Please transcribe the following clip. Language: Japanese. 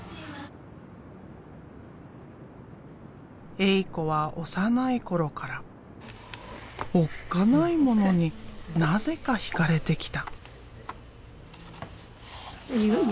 エイ子は幼い頃からおっかないものになぜか惹かれてきた。